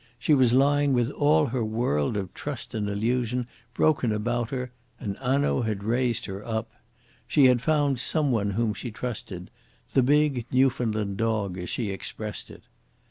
She was lying with all her world of trust and illusion broken about her, and Hanaud had raised her up. She had found some one whom she trusted the big Newfoundland dog, as she expressed it.